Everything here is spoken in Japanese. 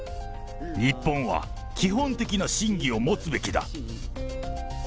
日本は基本的な信義を持つべきだ。